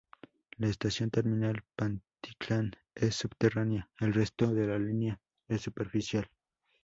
La estación terminal Pantitlán es subterránea, el resto de la línea es superficial.